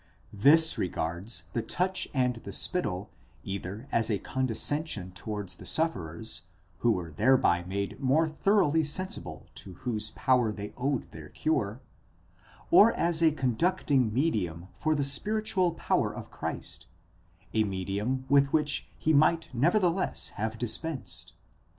This regards the touch and the spittle either as a condescension towards the sufferers, who were thereby made more thoroughly sensible to whose power they owed their cure ; or as a conducting medium for the spiritual power of Christ, a medium with which he might nevertheless have dispensed.